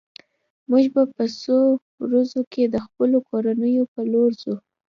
موږ به په څو ورځو کې د خپلو کورونو په لور ځو